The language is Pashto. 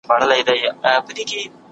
د يوسفي ښکلا له هر نظره نور را اوري